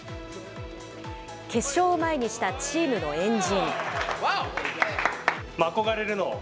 決勝を前にしたチームの円陣。